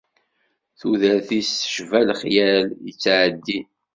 Tudert-is tecba lexyal yettɛeddin.